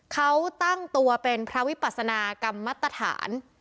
เขาตั้งตัวเป็นพระวิปัสนากรรมมาตรฐาน